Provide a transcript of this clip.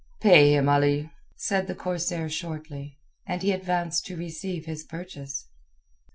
"Pay him, Ali," said the corsair shortly, and he advanced to receive his purchase.